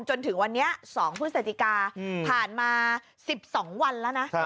จนถึงวันนี้๒พฤศจิกาผ่านมา๑๒วันแล้วนะ